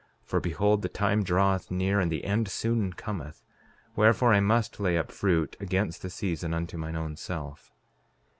For behold, the time draweth near, and the end soon cometh; wherefore, I must lay up fruit against the season, unto mine own self.